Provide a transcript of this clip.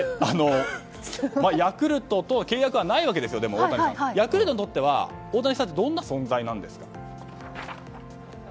ヤクルトと契約はないわけですよ大谷さんは。ヤクルトにとっては大谷さんはどんな存在ですか。